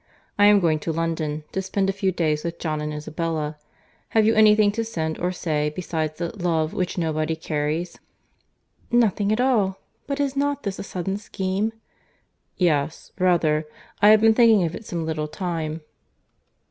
I am going to London, to spend a few days with John and Isabella. Have you any thing to send or say, besides the 'love,' which nobody carries?" "Nothing at all. But is not this a sudden scheme?" "Yes—rather—I have been thinking of it some little time."